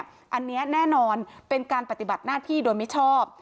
อันนี้แน่นอนเป็นการปฏิบัติหน้าที่โดยมิชอบ